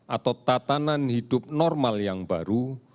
atau tatanan hidup normal yang baru